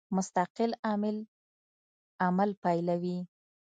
مستقل عامل عمل پیلوي.